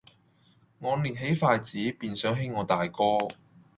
我捏起筷子，便想起我大哥；